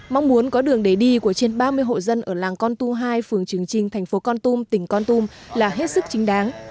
mong muốn có đường để đi của trên ba mươi hộ dân ở làng con tu hai phường trường trinh thành phố con tum tỉnh con tum là hết sức chính đáng